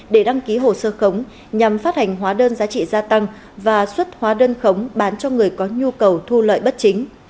để đăng ký hồ sơ khống nhằm phát hành hóa đơn giá trị gia tăng và xuất hóa đơn khống bán cho người có nhu cầu thu lợi bất chính